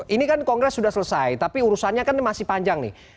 ini kan kongres sudah selesai tapi urusannya kan masih panjang nih